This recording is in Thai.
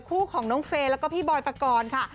คู่ของน้องเฟย์แล้วก็พี่บอยปกรณ์ค่ะ